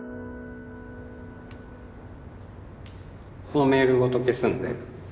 このメールごと消すので。